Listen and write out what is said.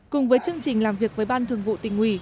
cùng với chương trình làm việc với ban thường vụ tỉnh ủy